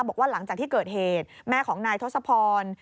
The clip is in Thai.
บอกว่าหลังจากที่เกิดเหตุแม่ของนายทศพร